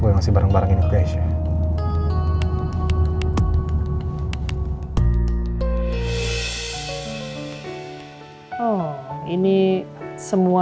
gue yang kasih barang barang ini ke keisha gue yang kasih barang barang ini ke keisha